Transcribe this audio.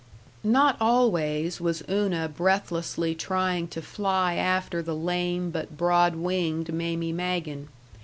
§ 3 Not always was Una breathlessly trying to fly after the lame but broad winged Mamie Magen.